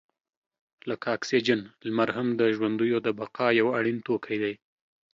لکه اکسیجن، لمر هم د ژوندیو د بقا یو اړین توکی دی.